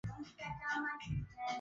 wanaa nipeleka sana kwa jamii